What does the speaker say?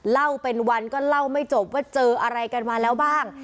เล่าเป็นวันก็เล่าไม่จบว่าเจออะไรกันมาแล้วบ้าง